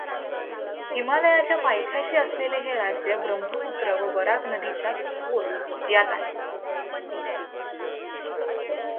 हिमालयाच्या पायथ्याशी असलेले हे राज्य ब्रह्मपुत्र व बराक नदीच्या खोर् यांत आहे.